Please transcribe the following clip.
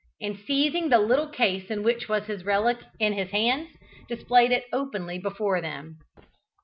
and seizing the little case in which was his relic in his hands, displayed it openly before them.